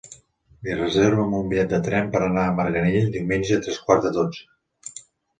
Reserva'm un bitllet de tren per anar a Marganell diumenge a tres quarts de dotze.